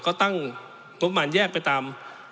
ก็ตั้งงบประมาณแยกไปตาม